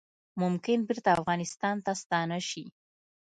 ممکن بیرته افغانستان ته ستانه شي